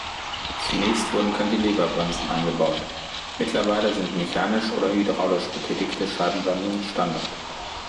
Zunächst wurden Cantilever-Bremsen eingebaut; mittlerweile sind mechanisch oder hydraulisch betätigte Scheibenbremsen Standard.